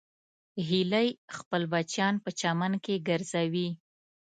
هیلۍ خپل بچیان په چمن کې ګرځوي